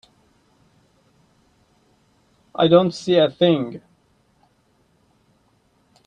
I don't see a thing.